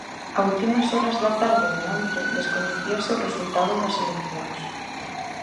A últimas horas da tarde de onte descoñecíase o resultado das eleccións.